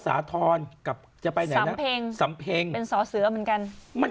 สาธอร์นกับจะไปไหนนะสำเพงเป็นสเล้อเหมือนกันมัน